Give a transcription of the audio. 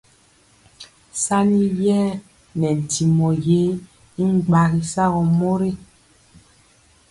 Saniyer nɛ ntimɔ ye y gbagi sagɔ mori.